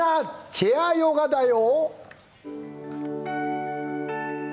チェアヨガだよ」。